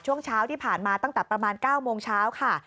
ช่วงเช้าที่ผ่านมาตั้งแต่ประมาณ๙โมงเช้าค่ะ